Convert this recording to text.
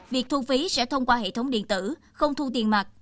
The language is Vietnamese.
việc thu phí sẽ thông qua hệ thống điện tử không thu tiền mạc